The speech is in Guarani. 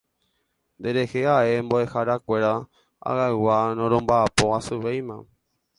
Nderehe ae mbo'eharakuéra ag̃agua noromba'apo asyvéima